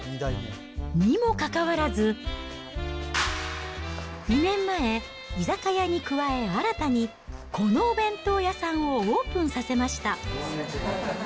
にもかかわらず、２年前、居酒屋に加え、新たにこのお弁当屋さんをオープンさせました。